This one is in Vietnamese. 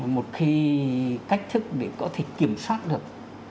một khi cách thức để có thể kiểm soát được